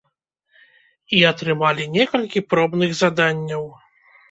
І атрымалі некалькі пробных заданняў.